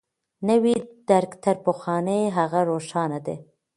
نوی درک تر پخواني هغه روښانه دی.